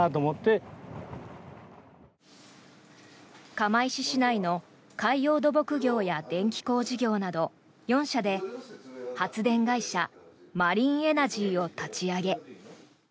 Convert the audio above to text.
釜石市内の海洋土木業や電気工事業など４社で発電会社マリンエナジーを立ち上げ。